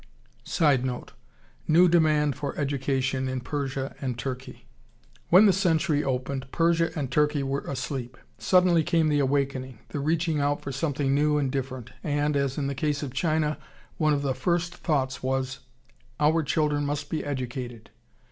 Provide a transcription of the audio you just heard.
[Sidenote: New demand for education in Persia and Turkey.] When the century opened, Persia and Turkey were asleep. Suddenly came the awakening, the reaching out for something new and different, and, as in the case of China, one of the first thoughts was, Our children must be educated.